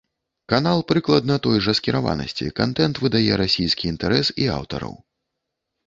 Канал прыкладна той жа скіраванасці, кантэнт выдае расійскі інтарэс і аўтараў.